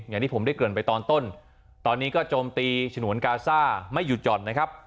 อย่างที่ผมได้เกิดไปตอนต้นตอนนี้ก็โจมตีฉนวนกาซ่าไม่หยุดหย่อนนะครับ